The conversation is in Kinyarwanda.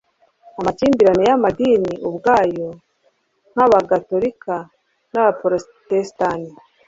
amakimbirane y'amadini ubwayo nk'abagatolika n'abaprotestanti